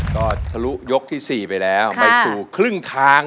ร้องได้ให้ร้าง